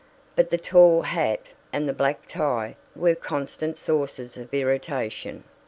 But the tall hat and the black necktie were constant sources of irritation.